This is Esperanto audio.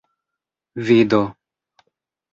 vido